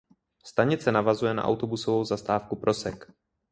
Stanice navazuje na autobusovou zastávku Prosek.